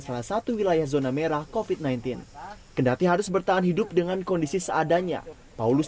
salah satu wilayah zona merah kopit sembilan belas kendati harus bertahan hidup dengan kondisi seadanya paulus